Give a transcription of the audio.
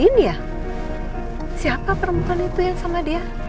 siapa perempuan itu yang sama dia